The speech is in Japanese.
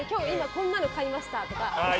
こんなの買いましたとか。